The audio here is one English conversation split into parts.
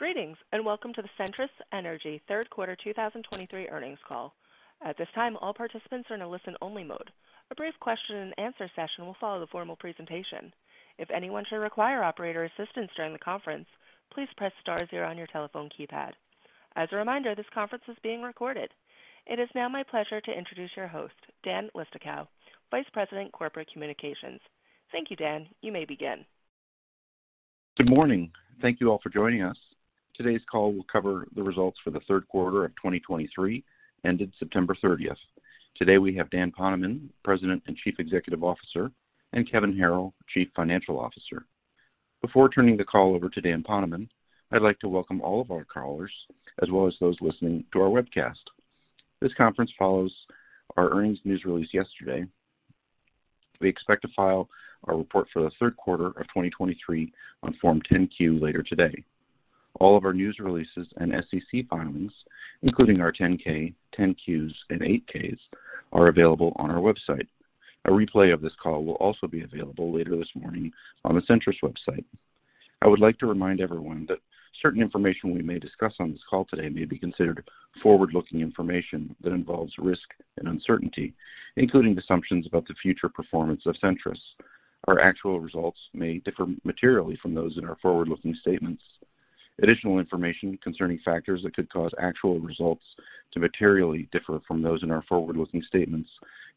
Greetings, and welcome to the Centrus Energy third quarter 2023 earnings call. At this time, all participants are in a listen-only mode. A brief question-and-answer session will follow the formal presentation. If anyone should require operator assistance during the conference, please press star zero on your telephone keypad. As a reminder, this conference is being recorded. It is now my pleasure to introduce your host, Dan Leistikow, Vice President, Corporate Communications. Thank you, Dan. You may begin. Good morning. Thank you all for joining us. Today's call will cover the results for the third quarter of 2023, ended September 30th. Today, we have Dan Poneman, President and Chief Executive Officer, and Kevin Harrill, Chief Financial Officer. Before turning the call over to Dan Poneman, I'd like to welcome all of our callers as well as those listening to our webcast. This conference follows our earnings news release yesterday. We expect to file our report for the third quarter of 2023 on Form 10-Q later today. All of our news releases and SEC filings, including our 10-K, 10-Qs, and 8-Ks, are available on our website. A replay of this call will also be available later this morning on the Centrus website. I would like to remind everyone that certain information we may discuss on this call today may be considered forward-looking information that involves risk and uncertainty, including assumptions about the future performance of Centrus. Our actual results may differ materially from those in our forward-looking statements. Additional information concerning factors that could cause actual results to materially differ from those in our forward-looking statements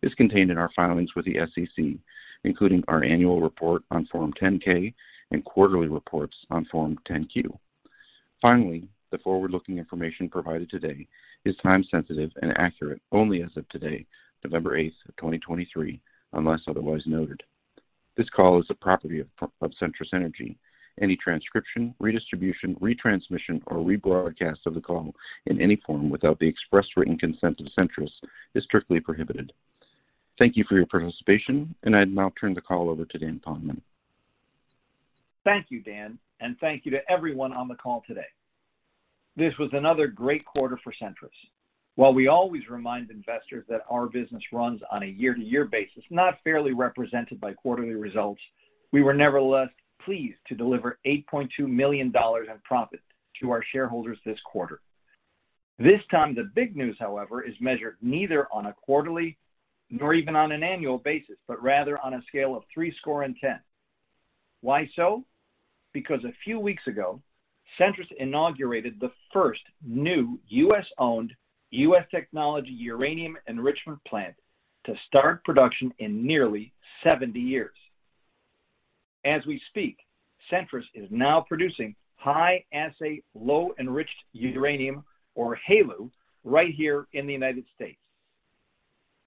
is contained in our filings with the SEC, including our annual report on Form 10-K and quarterly reports on Form 10-Q. Finally, the forward-looking information provided today is time-sensitive and accurate only as of today, November 8, 2023, unless otherwise noted. This call is a property of Centrus Energy. Any transcription, redistribution, retransmission, or rebroadcast of the call in any form without the express written consent of Centrus is strictly prohibited. Thank you for your participation, and I'd now turn the call over to Dan Poneman. Thank you, Dan, and thank you to everyone on the call today. This was another great quarter for Centrus. While we always remind investors that our business runs on a year-to-year basis, not fairly represented by quarterly results, we were nevertheless pleased to deliver $8.2 million in profit to our shareholders this quarter. This time, the big news, however, is measured neither on a quarterly nor even on an annual basis, but rather on a scale of 70. Why so? Because a few weeks ago, Centrus inaugurated the first new U.S.-owned, U.S. technology uranium enrichment plant to start production in nearly 70 years. As we speak, Centrus is now producing high-assay low-enriched uranium, or HALEU, right here in the United States.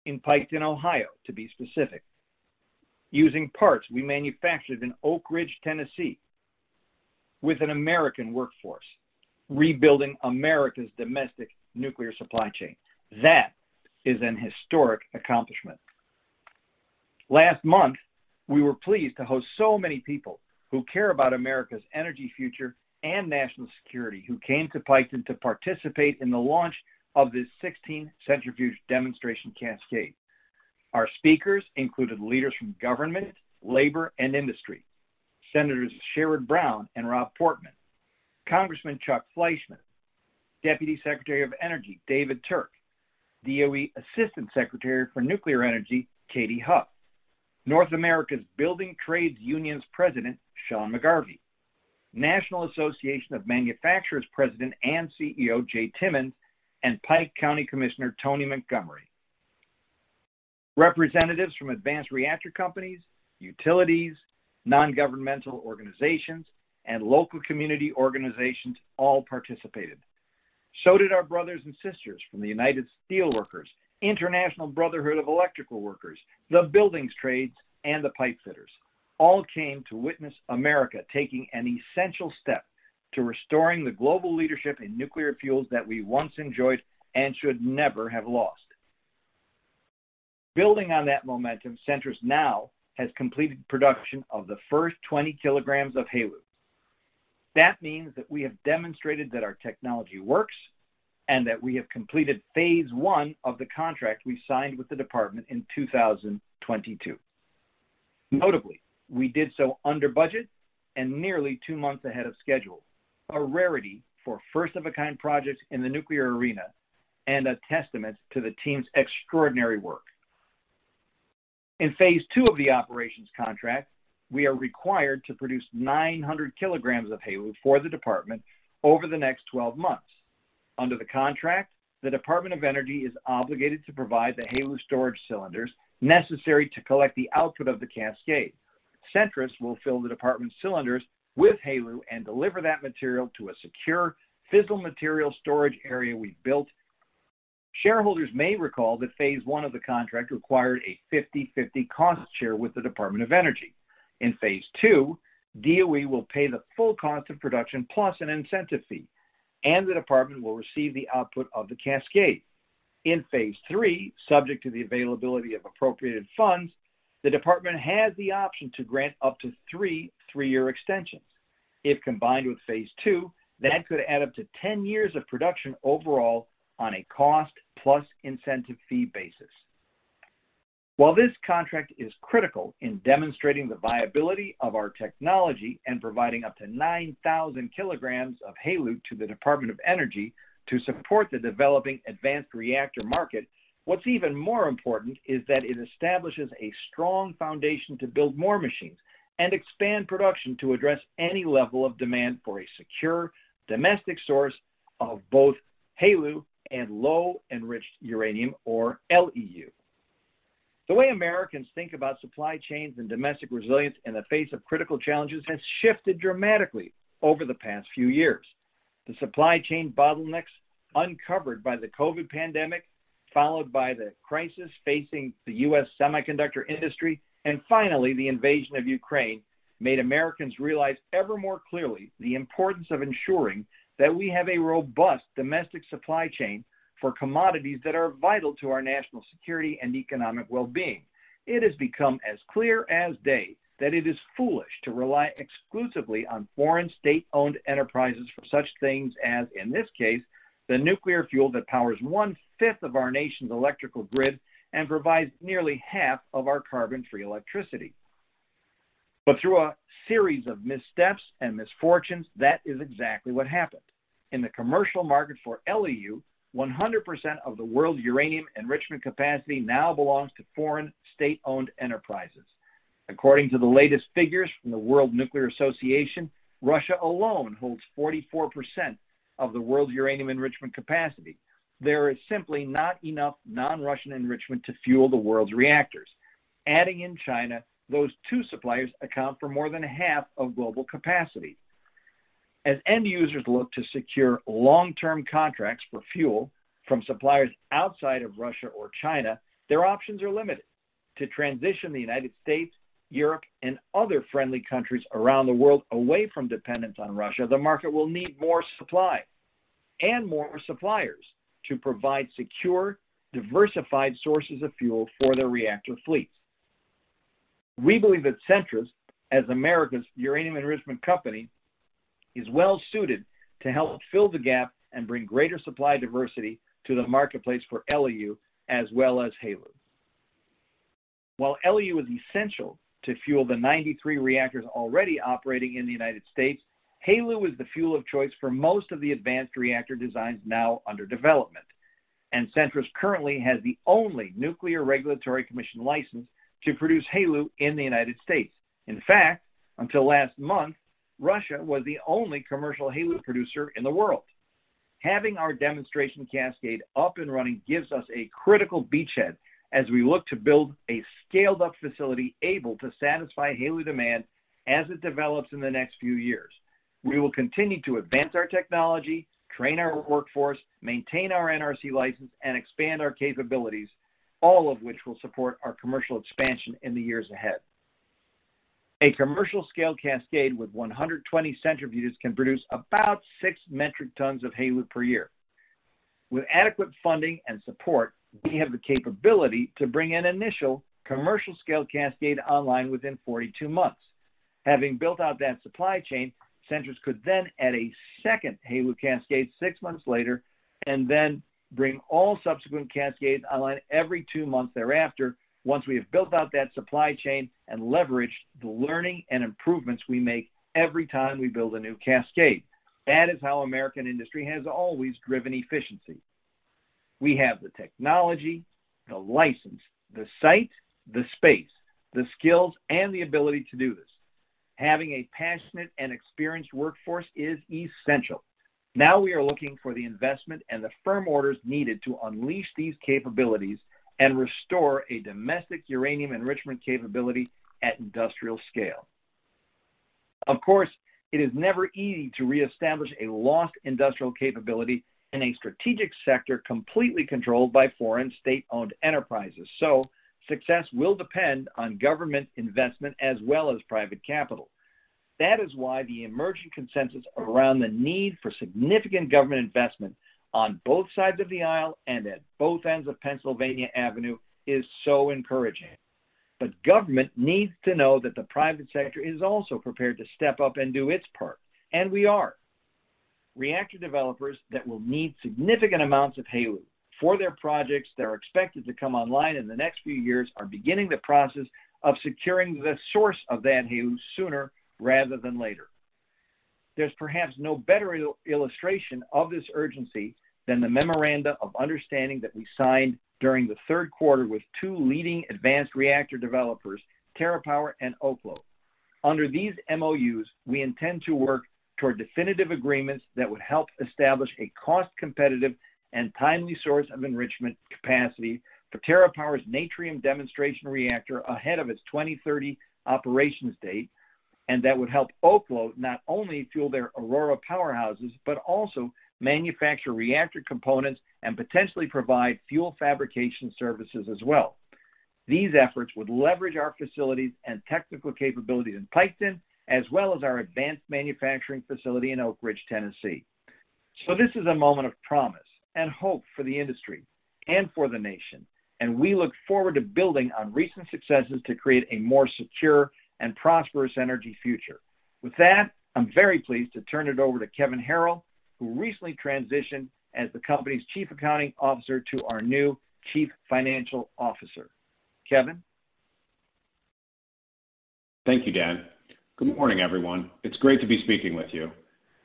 In Piketon, Ohio, to be specific, using parts we manufactured in Oak Ridge, Tennessee, with an American workforce, rebuilding America's domestic nuclear supply chain. That is an historic accomplishment. Last month, we were pleased to host so many people who care about America's energy future and national security, who came to Piketon to participate in the launch of this 16-centrifuge demonstration cascade. Our speakers included leaders from government, labor, and industry, Senators Sherrod Brown and Rob Portman, Congressman Chuck Fleischmann, Deputy Secretary of Energy, David Turk, DOE Assistant Secretary for Nuclear Energy, Katy Huff, North America's Building Trades Unions President, Sean McGarvey, National Association of Manufacturers President and CEO, Jay Timmons, and Pike County Commissioner, Tony Montgomery. Representatives from advanced reactor companies, utilities, nongovernmental organizations, and local community organizations all participated. So did our brothers and sisters from the United Steelworkers, International Brotherhood of Electrical Workers, the Building Trades, and the Pipefitters. All came to witness America taking an essential step to restoring the global leadership in nuclear fuels that we once enjoyed and should never have lost. Building on that momentum, Centrus now has completed production of the first 20 kilograms of HALEU. That means that we have demonstrated that our technology works and that we have completed phase 1 of the contract we signed with the department in 2022. Notably, we did so under budget and nearly two months ahead of schedule, a rarity for first-of-a-kind projects in the nuclear arena and a testament to the team's extraordinary work. In phase II of the operations contract, we are required to produce 900 kilograms of HALEU for the department over the next 12 months. Under the contract, the Department of Energy is obligated to provide the HALEU storage cylinders necessary to collect the output of the cascade. Centrus will fill the department's cylinders with HALEU and deliver that material to a secure fissile material storage area we've built. Shareholders may recall that phase one of the contract required a 50/50 cost share with the Department of Energy. In phase II, DOE will pay the full cost of production plus an incentive fee, and the department will receive the output of the cascade. In phase III, subject to the availability of appropriated funds, the department has the option to grant up to three, three-year extensions. If combined with phase II, that could add up to 10 years of production overall on a cost plus incentive fee basis.... While this contract is critical in demonstrating the viability of our technology and providing up to 9,000 kgs of HALEU to the Department of Energy to support the developing advanced reactor market, what's even more important is that it establishes a strong foundation to build more machines and expand production to address any level of demand for a secure, domestic source of both HALEU and low enriched uranium or LEU. The way Americans think about supply chains and domestic resilience in the face of critical challenges has shifted dramatically over the past few years. The supply chain bottlenecks uncovered by the COVID pandemic, followed by the crisis facing the U.S. semiconductor industry, and finally, the invasion of Ukraine, made Americans realize ever more clearly the importance of ensuring that we have a robust domestic supply chain for commodities that are vital to our national security and economic well-being. It has become as clear as day that it is foolish to rely exclusively on foreign state-owned enterprises for such things as, in this case, the nuclear fuel that powers one-fifth of our nation's electrical grid and provides nearly half of our carbon-free electricity. But through a series of missteps and misfortunes, that is exactly what happened. In the commercial market for LEU, 100% of the world's uranium enrichment capacity now belongs to foreign state-owned enterprises. According to the latest figures from the World Nuclear Association, Russia alone holds 44% of the world's uranium enrichment capacity. There is simply not enough non-Russian enrichment to fuel the world's reactors. Adding in China, those two suppliers account for more than half of global capacity. As end users look to secure long-term contracts for fuel from suppliers outside of Russia or China, their options are limited. To transition the United States, Europe, and other friendly countries around the world away from dependence on Russia, the market will need more supply and more suppliers to provide secure, diversified sources of fuel for their reactor fleets. We believe that Centrus, as America's uranium enrichment company, is well suited to help fill the gap and bring greater supply diversity to the marketplace for LEU as well as HALEU. While LEU is essential to fuel the 93 reactors already operating in the United States, HALEU is the fuel of choice for most of the advanced reactor designs now under development, and Centrus currently has the only Nuclear Regulatory Commission license to produce HALEU in the United States. In fact, until last month, Russia was the only commercial HALEU producer in the world. Having our demonstration cascade up and running gives us a critical beachhead as we look to build a scaled-up facility able to satisfy HALEU demand as it develops in the next few years. We will continue to advance our technology, train our workforce, maintain our NRC license, and expand our capabilities, all of which will support our commercial expansion in the years ahead. A commercial-scale cascade with 120 centrifuges can produce about six metric tons of HALEU per year. With adequate funding and support, we have the capability to bring an initial commercial-scale cascade online within 42 months. Having built out that supply chain, Centrus could then add a second HALEU cascade six months later and then bring all subsequent cascades online every two months thereafter, once we have built out that supply chain and leveraged the learning and improvements we make every time we build a new cascade. That is how American industry has always driven efficiency. We have the technology, the license, the site, the space, the skills, and the ability to do this. Having a passionate and experienced workforce is essential. Now we are looking for the investment and the firm orders needed to unleash these capabilities and restore a domestic uranium enrichment capability at industrial scale. Of course, it is never easy to reestablish a lost industrial capability in a strategic sector completely controlled by foreign state-owned enterprises. So success will depend on government investment as well as private capital. That is why the emerging consensus around the need for significant government investment on both sides of the aisle and at both ends of Pennsylvania Avenue is so encouraging. But government needs to know that the private sector is also prepared to step up and do its part, and we are. Reactor developers that will need significant amounts of HALEU for their projects that are expected to come online in the next few years are beginning the process of securing the source of that HALEU sooner rather than later. There's perhaps no better illustration of this urgency than the memoranda of understanding that we signed during the third quarter with two leading advanced reactor developers, TerraPower and Oklo. Under these MOUs, we intend to work toward definitive agreements that would help establish a cost-competitive and timely source of enrichment capacity for TerraPower's Natrium demonstration reactor ahead of its 2030 operations date, and that would help Oklo not only fuel their Aurora powerhouses, but also manufacture reactor components and potentially provide fuel fabrication services as well. These efforts would leverage our facilities and technical capabilities in Piketon, as well as our advanced manufacturing facility in Oak Ridge, Tennessee. So this is a moment of promise and hope for the industry and for the nation, and we look forward to building on recent successes to create a more secure and prosperous energy future. With that, I'm very pleased to turn it over to Kevin Harrill, who recently transitioned as the company's Chief Accounting Officer to our new Chief Financial Officer. Kevin? Thank you, Dan. Good morning, everyone. It's great to be speaking with you.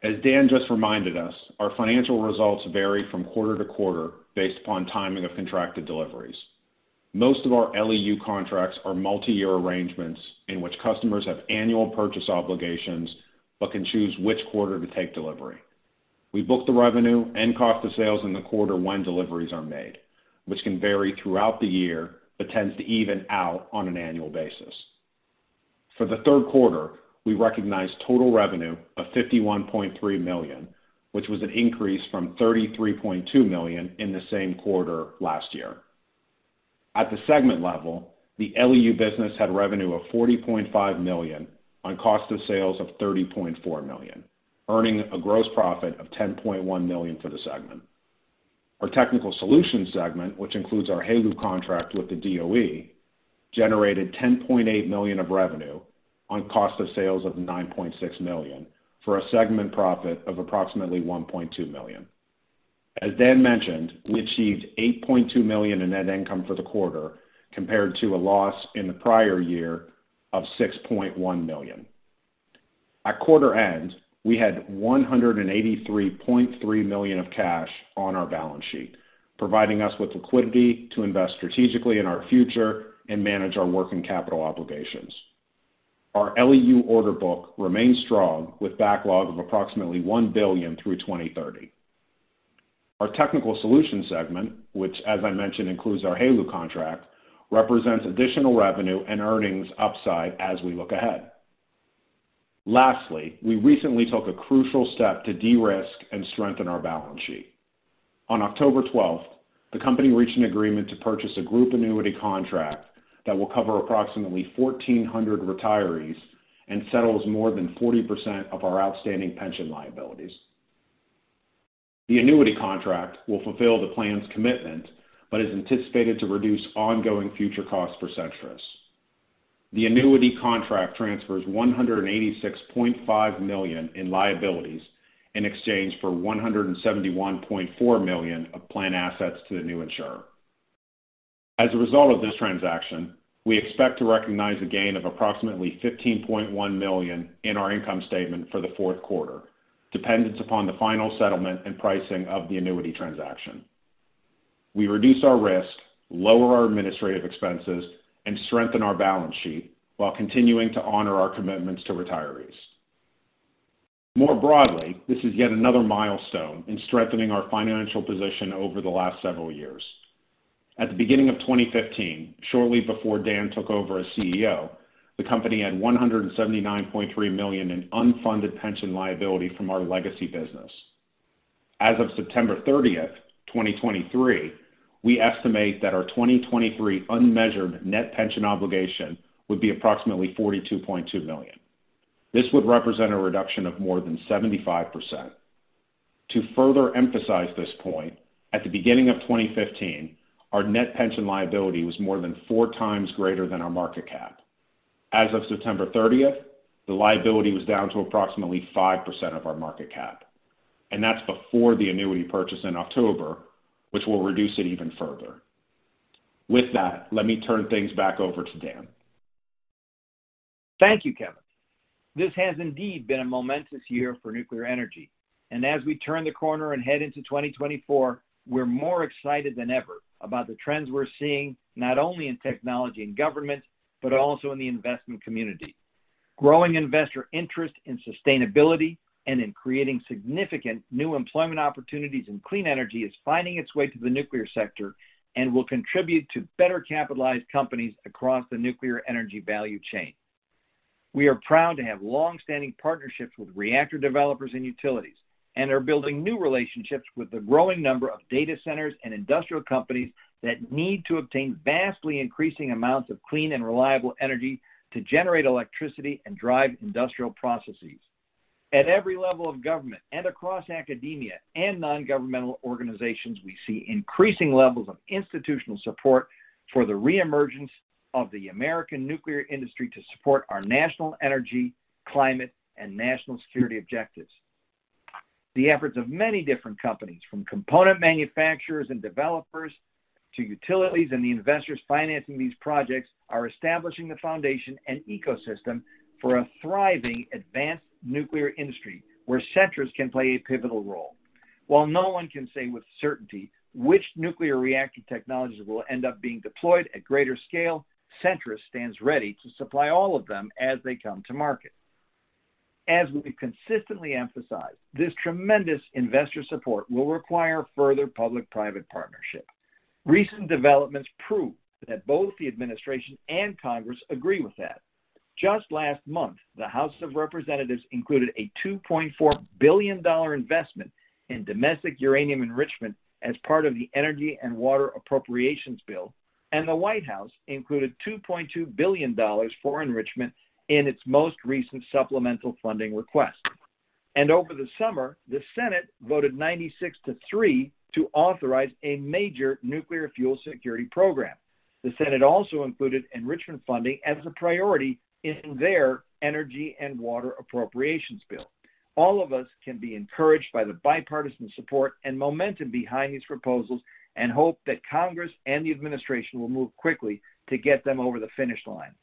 As Dan just reminded us, our financial results vary from quarter to quarter based upon timing of contracted deliveries. Most of our LEU contracts are multi-year arrangements in which customers have annual purchase obligations, but can choose which quarter to take delivery. We book the revenue and cost of sales in the quarter when deliveries are made, which can vary throughout the year, but tends to even out on an annual basis. For the third quarter, we recognized total revenue of $51.3 million, which was an increase from $33.2 million in the same quarter last year. At the segment level, the LEU business had revenue of $40.5 million on cost of sales of $30.4 million, earning a gross profit of $10.1 million for the segment. Our Technical Solutions segment, which includes our HALEU contract with the DOE, generated $10.8 million of revenue on cost of sales of $9.6 million, for a segment profit of approximately $1.2 million. As Dan mentioned, we achieved $8.2 million in net income for the quarter, compared to a loss in the prior year of $6.1 million. At quarter end, we had $183.3 million of cash on our balance sheet, providing us with liquidity to invest strategically in our future and manage our working capital obligations. Our LEU order book remains strong, with backlog of approximately $1 billion through 2030. Our Technical Solutions segment, which as I mentioned, includes our HALEU contract, represents additional revenue and earnings upside as we look ahead. Lastly, we recently took a crucial step to de-risk and strengthen our balance sheet. On October 12th, the company reached an agreement to purchase a group annuity contract that will cover approximately 1,400 retirees and settles more than 40% of our outstanding pension liabilities. The annuity contract will fulfill the plan's commitment, but is anticipated to reduce ongoing future costs for Centrus. The annuity contract transfers $186.5 million in liabilities in exchange for $171.4 million of plan assets to the new insurer. As a result of this transaction, we expect to recognize a gain of approximately $15.1 million in our income statement for the fourth quarter, dependent upon the final settlement and pricing of the annuity transaction. We reduce our risk, lower our administrative expenses, and strengthen our balance sheet while continuing to honor our commitments to retirees. More broadly, this is yet another milestone in strengthening our financial position over the last several years. At the beginning of 2015, shortly before Dan took over as CEO, the company had $179.3 million in unfunded pension liability from our legacy business. As of September 30, 2023, we estimate that our 2023 unmeasured net pension obligation would be approximately $42.2 million. This would represent a reduction of more than 75%. To further emphasize this point, at the beginning of 2015, our net pension liability was more than 4 times greater than our market cap. As of September 30, the liability was down to approximately 5% of our market cap, and that's before the annuity purchase in October, which will reduce it even further. With that, let me turn things back over to Dan. Thank you, Kevin. This has indeed been a momentous year for nuclear energy, and as we turn the corner and head into 2024, we're more excited than ever about the trends we're seeing, not only in technology and government, but also in the investment community. Growing investor interest in sustainability and in creating significant new employment opportunities in clean energy is finding its way to the nuclear sector and will contribute to better capitalized companies across the nuclear energy value chain. We are proud to have long-standing partnerships with reactor developers and utilities, and are building new relationships with the growing number of data centers and industrial companies that need to obtain vastly increasing amounts of clean and reliable energy to generate electricity and drive industrial processes. At every level of government and across academia and non-governmental organizations, we see increasing levels of institutional support for the reemergence of the American nuclear industry to support our national energy, climate, and national security objectives. The efforts of many different companies, from component manufacturers and developers to utilities and the investors financing these projects, are establishing the foundation and ecosystem for a thriving advanced nuclear industry, where Centrus can play a pivotal role. While no one can say with certainty which nuclear reactor technologies will end up being deployed at greater scale, Centrus stands ready to supply all of them as they come to market. As we've consistently emphasized, this tremendous investor support will require further public-private partnership. Recent developments prove that both the administration and Congress agree with that. Just last month, the House of Representatives included a $2.4 billion investment in domestic uranium enrichment as part of the Energy and Water Appropriations bill, and the White House included $2.2 billion for enrichment in its most recent supplemental funding request. Over the summer, the Senate voted 96-3 to authorize a major nuclear fuel security program. The Senate also included enrichment funding as a priority in their Energy and Water Appropriations bill. All of us can be encouraged by the bipartisan support and momentum behind these proposals and hope that Congress and the administration will move quickly to get them over the finish line.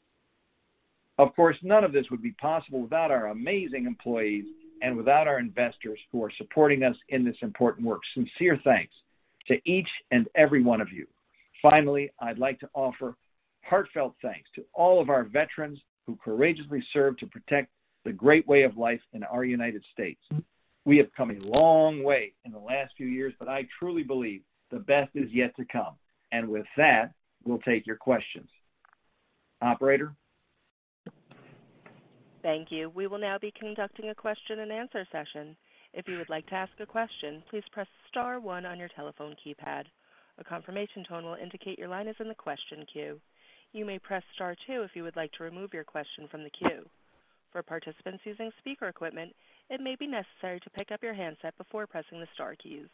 Of course, none of this would be possible without our amazing employees and without our investors who are supporting us in this important work. Sincere thanks to each and every one of you. Finally, I'd like to offer heartfelt thanks to all of our veterans who courageously served to protect the great way of life in our United States. We have come a long way in the last few years, but I truly believe the best is yet to come. With that, we'll take your questions. Operator? Thank you. We will now be conducting a question and answer session. If you would like to ask a question, please press star one on your telephone keypad. A confirmation tone will indicate your line is in the question queue. You may press star two if you would like to remove your question from the queue. For participants using speaker equipment, it may be necessary to pick up your handset before pressing the star keys.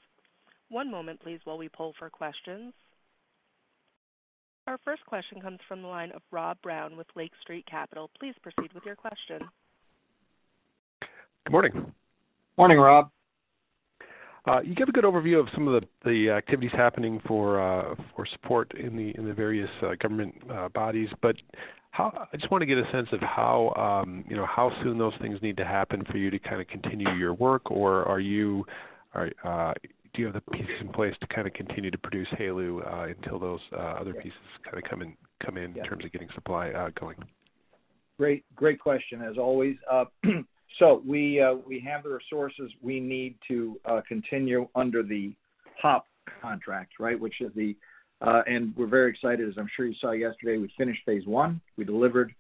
One moment, please, while we poll for questions. Our first question comes from the line of Rob Brown with Lake Street Capital. Please proceed with your question. Good morning. Morning, Rob. You gave a good overview of some of the activities happening for support in the various government bodies. But how—I just want to get a sense of how, you know, how soon those things need to happen for you to kind of continue your work, or are you, do you have the pieces in place to kind of continue to produce HALEU until those other pieces kind of come in, in terms of getting supply going? Great, great question, as always. So we have the resources we need to continue under the HALEU contract, right? Which is the and we're very excited, as I'm sure you saw yesterday, we finished phase one. We delivered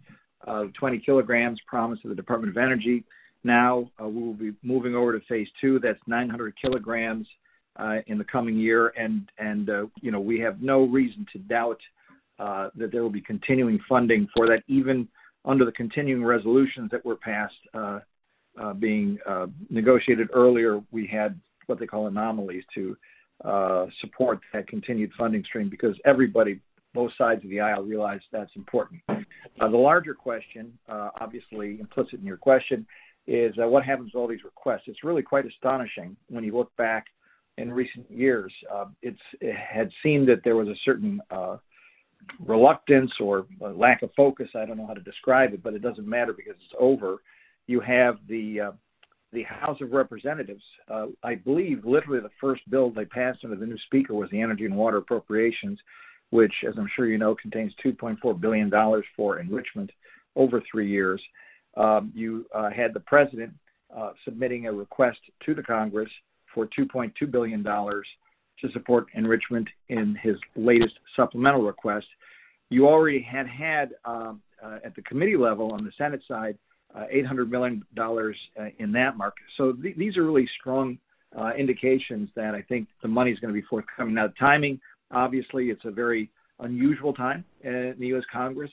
20 kilograms promised to the Department of Energy. Now, we will be moving over to phase two. That's 900 kilograms in the coming year. And, you know, we have no reason to doubt that there will be continuing funding for that, even under the continuing resolutions that were passed, being negotiated earlier, we had what they call anomalies to support that continued funding stream because everybody, both sides of the aisle, realized that's important. Now, the larger question, obviously, implicit in your question, is, what happens to all these requests? It's really quite astonishing when you look back in recent years. It had seemed that there was a certain reluctance or lack of focus, I don't know how to describe it, but it doesn't matter because it's over. You have the House of Representatives. I believe literally the first bill they passed under the new speaker was the Energy and Water Appropriations, which, as I'm sure you know, contains $2.4 billion for enrichment over three years. You had the President submitting a request to the Congress for $2.2 billion to support enrichment in his latest supplemental request. You already had had at the committee level on the Senate side $800 million in that mark. So these are really strong indications that I think the money is going to be forthcoming. Now, timing, obviously, it's a very unusual time in the U.S. Congress.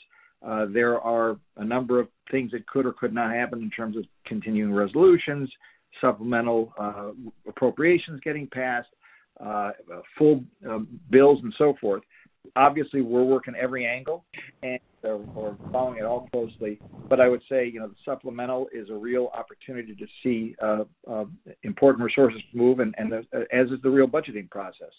There are a number of things that could or could not happen in terms of continuing resolutions, supplemental appropriations getting passed, full bills and so forth. Obviously, we're working every angle and we're following it all closely. But I would say, you know, the supplemental is a real opportunity to see important resources move, and as is the real budgeting process.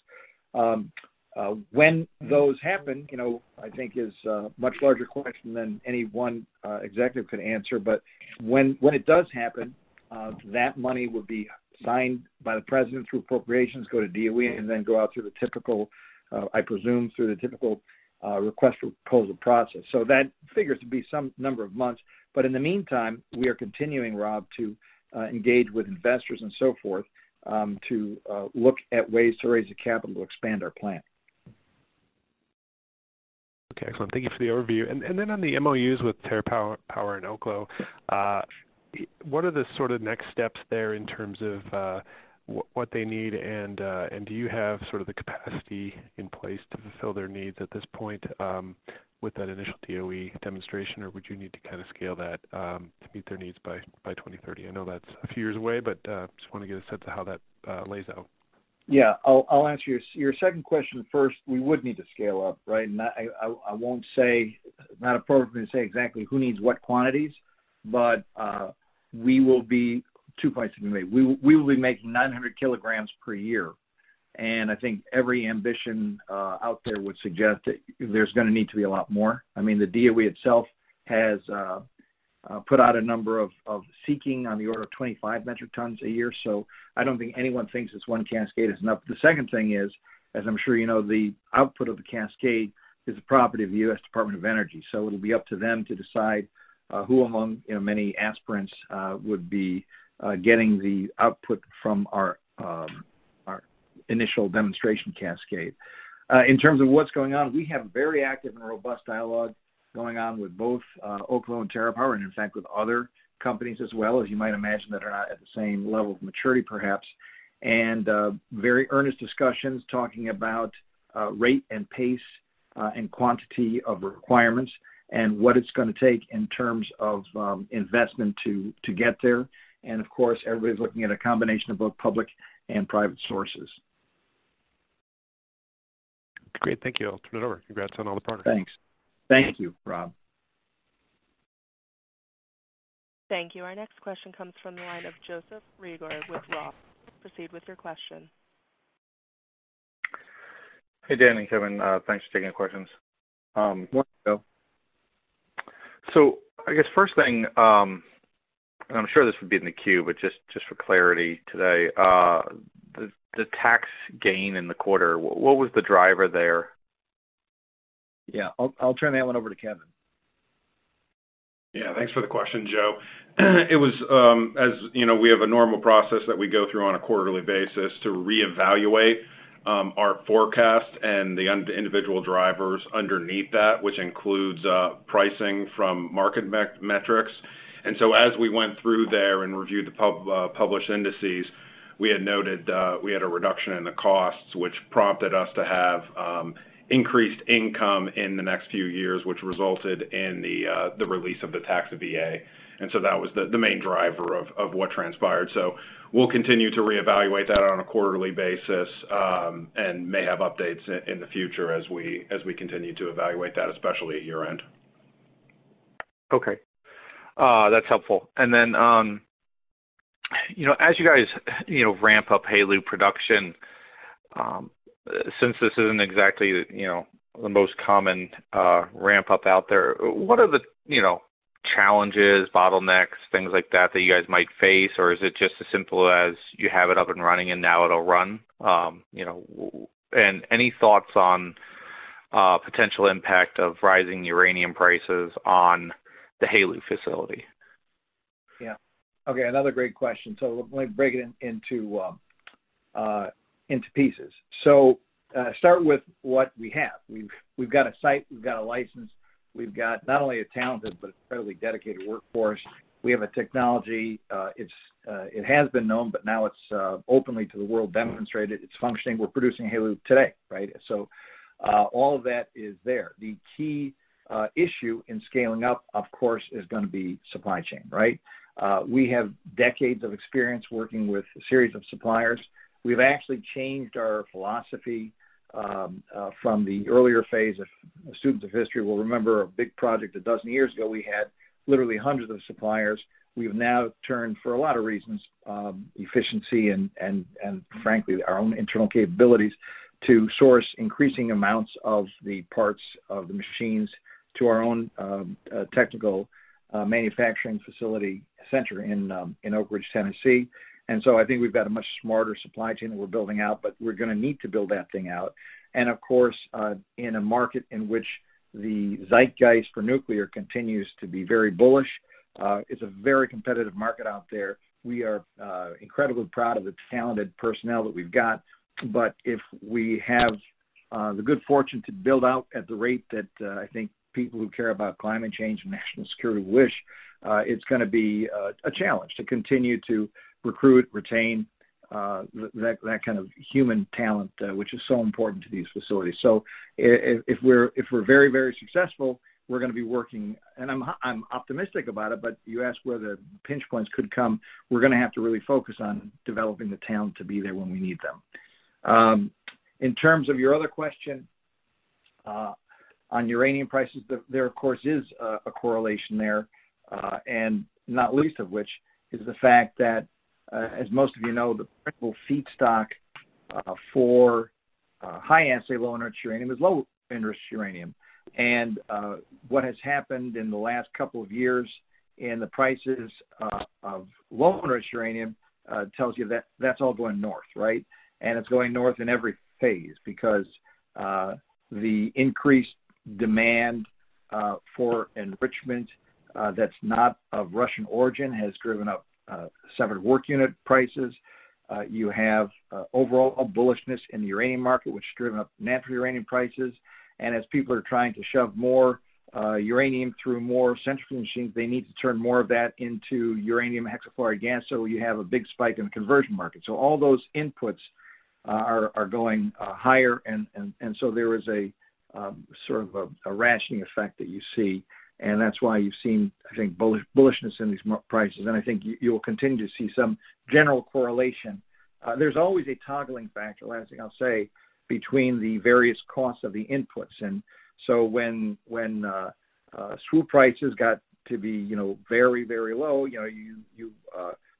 When those happen, you know, I think is a much larger question than any one executive could answer. But when it does happen, that money will be signed by the President through appropriations, go to DOE, and then go out through the typical, I presume, request proposal process. So that figures to be some number of months. But in the meantime, we are continuing, Rob, to engage with investors and so forth, to look at ways to raise the capital to expand our plan. Okay, excellent. Thank you for the overview. And then on the MOUs with TerraPower and Oklo, what are the sort of next steps there in terms of what they need? And do you have sort of the capacity in place to fulfill their needs at this point, with that initial DOE demonstration, or would you need to kind of scale that to meet their needs by 2030? I know that's a few years away, but just want to get a sense of how that lays out. Yeah, I'll answer your second question first. We would need to scale up, right? And I won't say, not appropriate for me to say exactly who needs what quantities, but, we will be, two points we can make. We will be making 900 kilograms per year, and I think every ambition out there would suggest that there's going to need to be a lot more. I mean, the DOE itself has put out a number of seeking on the order of 25 metric tons a year, so I don't think anyone thinks this one cascade is enough. The second thing is, as I'm sure you know, the output of the cascade is the property of the U.S. Department of Energy, so it'll be up to them to decide who among, you know, many aspirants would be getting the output from our initial demonstration cascade. In terms of what's going on, we have very active and robust dialogue going on with both Oklo and TerraPower, and in fact, with other companies as well, as you might imagine, that are not at the same level of maturity, perhaps. Very earnest discussions talking about rate and pace and quantity of requirements and what it's gonna take in terms of investment to get there. And of course, everybody's looking at a combination of both public and private sources. Great, thank you. I'll turn it over. Congrats on all the partners. Thanks. Thank you, Rob. Thank you. Our next question comes from the line of Joseph Reagor with Roth. Proceed with your question. Hey, Dan and Kevin, thanks for taking the questions. So I guess first thing, and I'm sure this would be in the queue, but just for clarity today, the tax gain in the quarter, what was the driver there? Yeah, I'll turn that one over to Kevin. Yeah, thanks for the question, Joe. It was, as you know, we have a normal process that we go through on a quarterly basis to reevaluate, our forecast and the individual drivers underneath that, which includes, pricing from market metrics. And so as we went through there and reviewed the published indices, we had noted, we had a reduction in the costs, which prompted us to have, increased income in the next few years, which resulted in the, the release of the tax VA. And so that was the, the main driver of, of what transpired. So we'll continue to reevaluate that on a quarterly basis, and may have updates in, in the future as we, as we continue to evaluate that, especially at year-end. Okay, that's helpful. And then, you know, as you guys, you know, ramp up HALEU production, since this isn't exactly, you know, the most common, ramp up out there, what are the, you know, challenges, bottlenecks, things like that, that you guys might face? Or is it just as simple as you have it up and running and now it'll run? You know, and any thoughts on potential impact of rising uranium prices on the HALEU facility? Yeah. Okay, another great question. So let me break it into pieces. So, start with what we have. We've got a site, we've got a license, we've got not only a talented but incredibly dedicated workforce. We have a technology, it's, it has been known, but now it's openly to the world, demonstrated. It's functioning. We're producing HALEU today, right? So, all of that is there. The key issue in scaling up, of course, is gonna be supply chain, right? We have decades of experience working with a series of suppliers. We've actually changed our philosophy from the earlier phase of- students of history will remember a big project a dozen years ago, we had literally hundreds of suppliers. We've now turned, for a lot of reasons, efficiency and frankly, our own internal capabilities, to source increasing amounts of the parts of the machines to our own technical manufacturing facility center in Oak Ridge, Tennessee. And so I think we've got a much smarter supply chain that we're building out, but we're gonna need to build that thing out. And of course, in a market in which the zeitgeist for nuclear continues to be very bullish, it's a very competitive market out there. We are incredibly proud of the talented personnel that we've got, but if we have the good fortune to build out at the rate that I think people who care about climate change and national security wish, it's gonna be a challenge to continue to recruit, retain that kind of human talent which is so important to these facilities. So if we're very successful, we're gonna be working... And I'm optimistic about it, but you asked where the pinch points could come. We're gonna have to really focus on developing the talent to be there when we need them. In terms of your other question, on uranium prices, there of course is a correlation there, and not least of which is the fact that, as most of you know, the principal feedstock for high-assay low-enriched uranium is low-enriched uranium. And, what has happened in the last couple of years in the prices of low-enriched uranium, tells you that that's all going north, right? And it's going north in every phase because, the increased demand for enrichment that's not of Russian origin, has driven up, separative work unit prices. You have, overall a bullishness in the uranium market, which has driven up natural uranium prices. As people are trying to shove more uranium through more centrifugal machines, they need to turn more of that into uranium hexafluoride gas, so you have a big spike in the conversion market. So all those inputs are going higher, and so there is a sort of a rationing effect that you see, and that's why you've seen, I think, bullish bullishness in these m- prices, and I think you will continue to see some general correlation. There's always a toggling factor, last thing I'll say, between the various costs of the inputs. And so when SWU prices got to be, you know, very very low, you know, you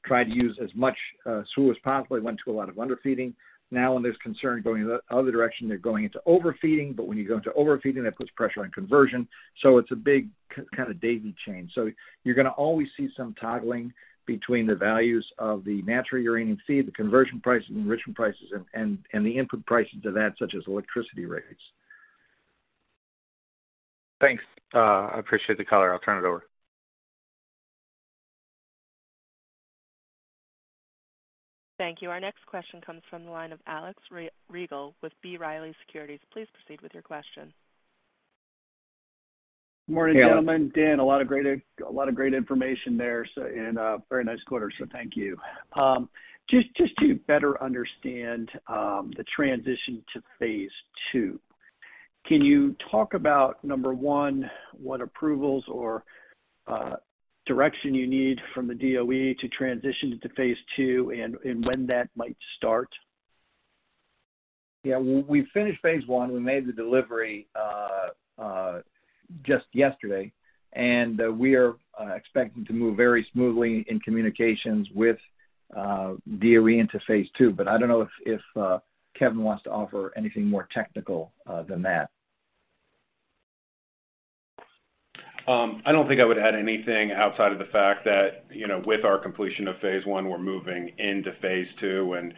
tried to use as much SWU as possible. It went to a lot of underfeeding. Now, when there's concern going the other direction, they're going into overfeeding, but when you go into overfeeding, that puts pressure on conversion. So it's a big kind of daisy chain. So you're gonna always see some toggling between the values of the natural uranium feed, the conversion prices, enrichment prices, and the input prices to that, such as electricity rates. Thanks. I appreciate the color. I'll turn it over. Thank you. Our next question comes from the line of Alex Rygiel with B. Riley Securities. Please proceed with your question. ...Good morning, gentlemen. Dan, a lot of great information there, so very nice quarter, so thank you. Just to better understand the transition to phase two, can you talk about, number one, what approvals or direction you need from the DOE to transition to phase two and when that might start? Yeah, we finished phase one. We made the delivery just yesterday, and we are expecting to move very smoothly in communications with DOE into phase two. But I don't know if Kevin wants to offer anything more technical than that. I don't think I would add anything outside of the fact that, you know, with our completion of phase one, we're moving into phase two. And,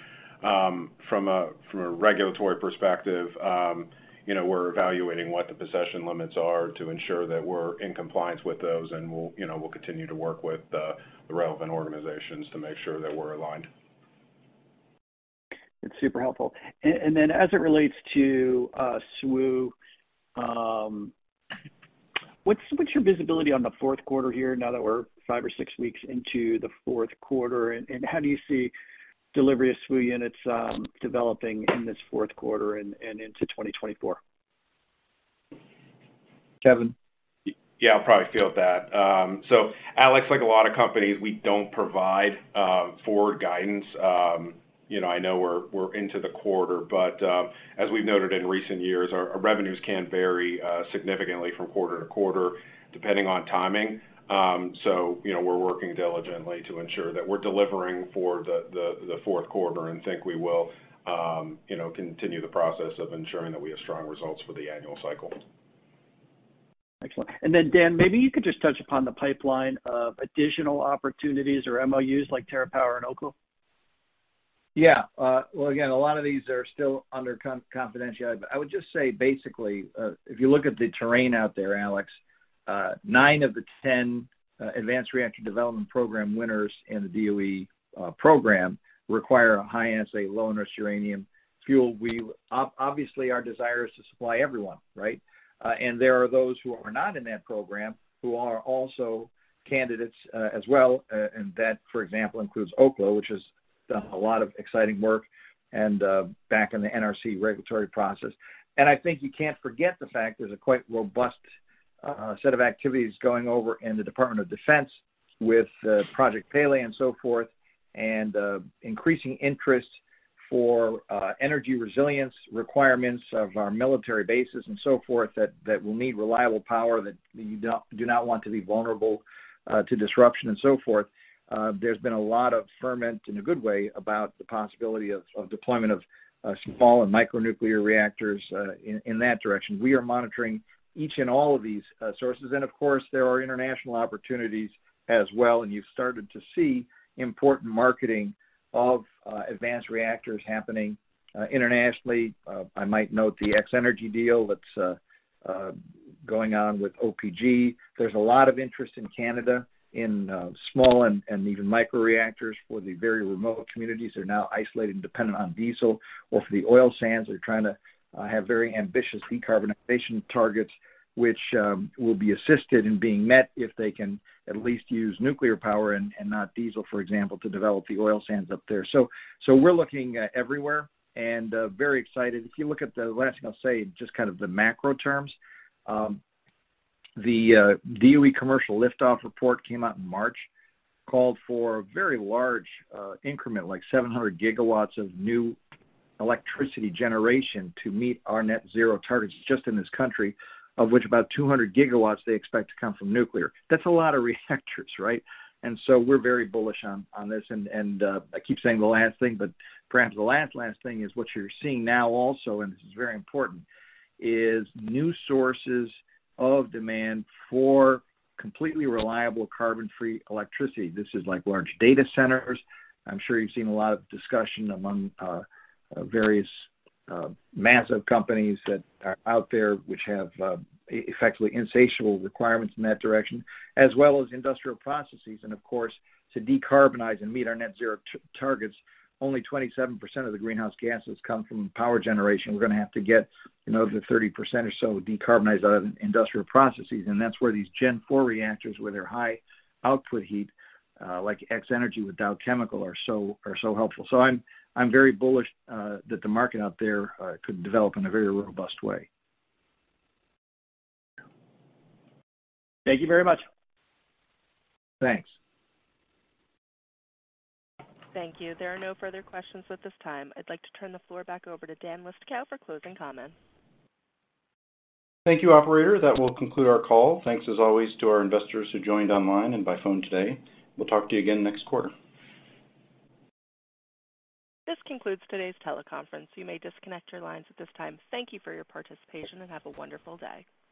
from a regulatory perspective, you know, we're evaluating what the possession limits are to ensure that we're in compliance with those, and we'll, you know, we'll continue to work with the relevant organizations to make sure that we're aligned. It's super helpful. And then as it relates to SWU, what's your visibility on the fourth quarter here, now that we're five or six weeks into the fourth quarter? And how do you see delivery of SWU units developing in this fourth quarter and into 2024? Kevin? Yeah, I'll probably field that. So Alex, like a lot of companies, we don't provide forward guidance. You know, I know we're into the quarter, but as we've noted in recent years, our revenues can vary significantly from quarter to quarter, depending on timing. So, you know, we're working diligently to ensure that we're delivering for the fourth quarter and think we will, you know, continue the process of ensuring that we have strong results for the annual cycle. Excellent. And then, Dan, maybe you could just touch upon the pipeline of additional opportunities or MOUs like TerraPower and Oklo. Yeah, well, again, a lot of these are still under confidentiality. But I would just say basically, if you look at the terrain out there, Alex, 9 of the 10 advanced reactor development program winners in the DOE program require a high-assay low-enriched uranium fuel. We obviously, our desire is to supply everyone, right? And there are those who are not in that program, who are also candidates, as well, and that, for example, includes Oklo, which has done a lot of exciting work and, back in the NRC regulatory process. I think you can't forget the fact there's a quite robust set of activities going over in the Department of Defense with Project Pele and so forth, and increasing interest for energy resilience requirements of our military bases and so forth, that will need reliable power that you do not want to be vulnerable to disruption and so forth. There's been a lot of ferment in a good way about the possibility of deployment of small and micro-nuclear reactors in that direction. We are monitoring each and all of these sources. Of course, there are international opportunities as well, and you've started to see important marketing of advanced reactors happening internationally. I might note the X-energy deal that's going on with OPG. There's a lot of interest in Canada in small and even micro-reactors for the very remote communities that are now isolated and dependent on diesel, or for the oil sands. They're trying to have very ambitious decarbonization targets, which will be assisted in being met if they can at least use nuclear power and not diesel, for example, to develop the oil sands up there. So we're looking everywhere and very excited. If you look at the last thing I'll say, just kind of the macro terms, the DOE commercial liftoff report came out in March, called for a very large increment, like 700 gigawatts of new electricity generation to meet our Net Zero targets just in this country, of which about 200 gigawatts they expect to come from nuclear. That's a lot of reactors, right? So we're very bullish on this. I keep saying the last thing, but perhaps the last thing is what you're seeing now also, and this is very important, is new sources of demand for completely reliable carbon-free electricity. This is like large data centers. I'm sure you've seen a lot of discussion among various massive companies that are out there, which have effectively insatiable requirements in that direction, as well as industrial processes. And of course, to decarbonize and meet our Net Zero targets, only 27% of the greenhouse gases come from power generation. We're gonna have to get, you know, the 30% or so decarbonized out of industrial processes, and that's where these Gen four reactors, with their high output heat, like X-energy with Dow Chemical, are so helpful. So I'm very bullish that the market out there could develop in a very robust way. Thank you very much. Thanks. Thank you. There are no further questions at this time. I'd like to turn the floor back over to Dan Leistikow for closing comments. Thank you, operator. That will conclude our call. Thanks, as always, to our investors who joined online and by phone today. We'll talk to you again next quarter. This concludes today's teleconference. You may disconnect your lines at this time. Thank you for your participation, and have a wonderful day.